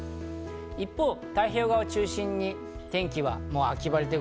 一方、太平洋側を中心に天気は秋晴れ。